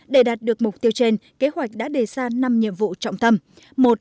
để đạt được mục tiêu trên kế hoạch đã đề ra năm nhiệm vụ trọng tâm